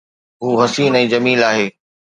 هو حسين ۽ جميل آهي